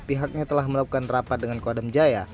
pihaknya telah melakukan rapat dengan kodam jaya